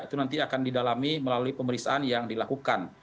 itu nanti akan didalami melalui pemeriksaan yang dilakukan